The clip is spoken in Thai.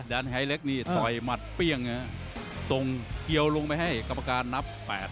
ไฮเล็กนี่ต่อยหมัดเปรี้ยงส่งเกียวลงไปให้กรรมการนับแปด